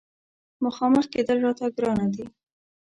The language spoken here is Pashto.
مخامخ کېدل راته ګرانه دي.